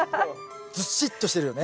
ずしっとしてるよね。